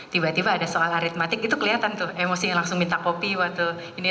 tiba tiba ada soal aritmatik itu kelihatan tuh emosinya langsung minta kopi waktu ini